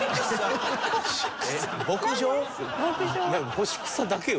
干し草だけを？